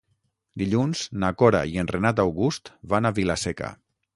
Dilluns na Cora i en Renat August van a Vila-seca.